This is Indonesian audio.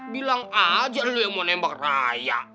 bilang aja lo yang mau nembak raya